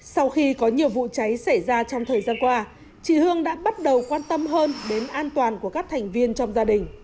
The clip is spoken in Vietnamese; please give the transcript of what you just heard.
sau khi có nhiều vụ cháy xảy ra trong thời gian qua chị hương đã bắt đầu quan tâm hơn đến an toàn của các thành viên trong gia đình